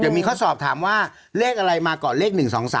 เดี๋ยวมีข้อสอบถามว่าเลขอะไรมาก่อนเลข๑๒๓